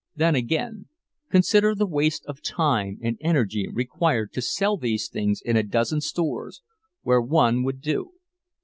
Then again, consider the waste of time and energy required to sell these things in a dozen stores, where one would do.